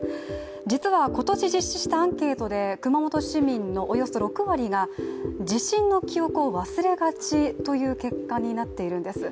実は今年実施したアンケートで熊本市民のおよそ６割が地震の記憶を忘れがちという結果になっているんです。